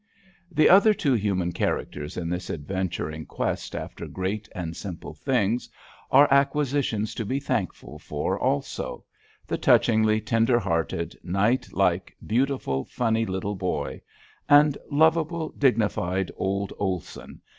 The other two human characters in this adventuring quest after great and simple things are acquisitions to be thankful for, also; the touchingly tender hearted, knight like, beautiful, funny little boy; and lovable, dignified old Olson